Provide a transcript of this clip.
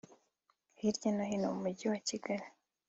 hirya no hino mu mujyi wa Kigali